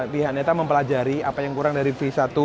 pihak neta mempelajari apa yang kurang dari v satu